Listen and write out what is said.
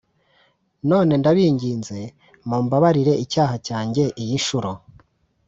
None ndabinginze mumbabarire i icyaha cyanjye iyi ncuro